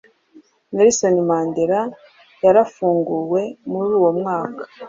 Nelson Mandela, yarafunguwe muri uwo mwaka .